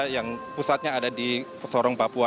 yang pusatnya ada di sorong papua